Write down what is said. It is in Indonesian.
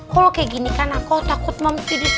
kalo kayak gini kan aku takut moms jadi sakit